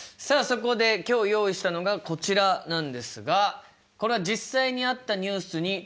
そこで今日用意したのがこちらなんですがこれは実際にあったニュースにちょっと意図的にですね